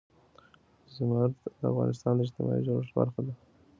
زمرد د افغانستان د اجتماعي جوړښت برخه ده.